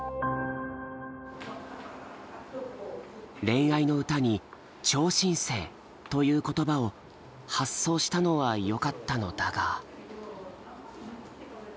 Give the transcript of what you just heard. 恋愛の歌に「超新星」という言葉を発想したのはよかったのだが。